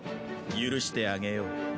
許してあげよう。